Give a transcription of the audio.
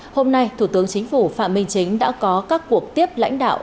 hôm nay thủ tướng chính phủ phạm minh chính đã có các cuộc tiếp lãnh đạo